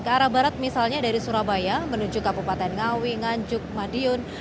ke arah barat misalnya dari surabaya menuju kabupaten ngawi nganjuk madiun